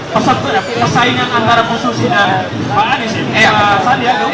pesaingan antara bu susi dan pak anis